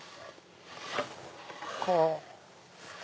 こう。